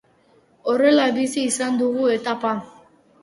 Horrela bizi izan dugu etapa.